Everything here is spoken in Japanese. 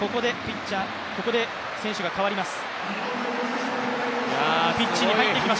ここで選手が代わります。